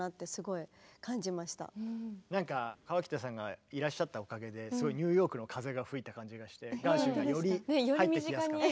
河北さんがいらっしゃったおかげですごいニューヨークの風が吹いた感じがしてガーシュウィンがより入ってきやすかった。